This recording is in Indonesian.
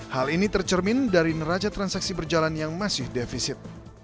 hal ini tercermin dari neraca transaksi berjalan yang masih defisit